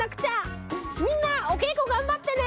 みんなおけいこがんばってね！